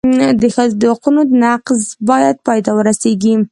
د ښځو د حقونو نقض باید پای ته ورسېږي.